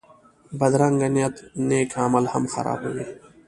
بدرنګه نیت نېک عمل هم خرابوي